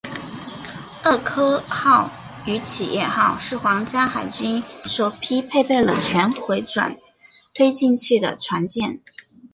厄科号与企业号是皇家海军首批配备了全回转推进器的船舰。